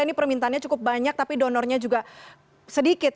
ini permintaannya cukup banyak tapi donornya juga sedikit